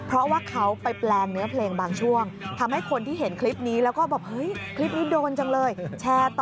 แล้วเหมือนกับเสียงที่เค้าเรียนแบบพี่กรก็เหมือนด้วยนะ